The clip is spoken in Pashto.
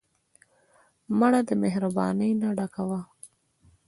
مړه د مهربانۍ نه ډکه وه